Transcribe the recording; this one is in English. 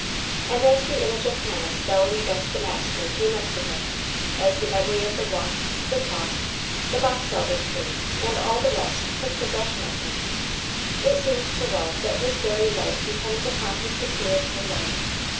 And as the image of Hannah spelling against the master came up to him, as the memory of the walk, the talk, the box elder tree, and all the rest took possession of him, it seemed to Ralph that his very life depended upon his securing her love.